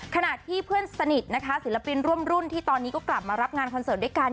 ขณะที่เพื่อนสนิทนะคะศิลปินร่วมรุ่นที่ตอนนี้ก็กลับมารับงานคอนเสิร์ตด้วยกัน